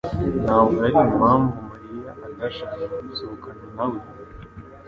ntabwo yari azi impamvu Mariya atashakaga gusohokana nawe.